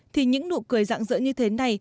thì những nụ cười dạng dỡ như thế này